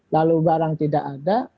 lalu barang tidak ada